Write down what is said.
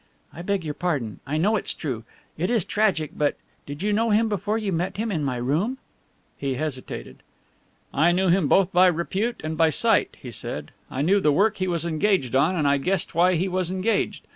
"I beg your pardon, I know it is true. It is tragic, but did you know him before you met him in my room?" He hesitated. "I knew him both by repute and by sight," he said. "I knew the work he was engaged on and I guessed why he was engaged.